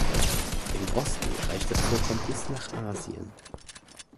Im Osten reicht das Vorkommen bis nach Asien.